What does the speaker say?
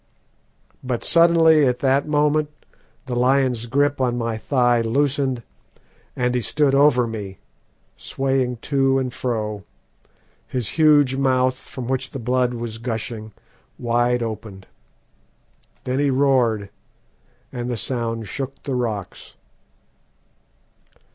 But suddenly, at that moment, the lion's grip on my thigh loosened, and he stood over me, swaying to and fro, his huge mouth, from which the blood was gushing, wide opened. Then he roared, and the sound shook the rocks.